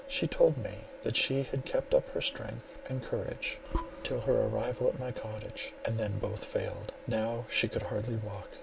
She told me, that she had kept up her strength and courage till her arrival at my cottage, and then both failed. Now she could hardly walk.